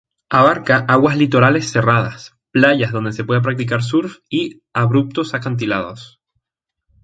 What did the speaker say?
Abarca aguas litorales cerradas, playas donde se puede practicar surf y abruptos acantilados.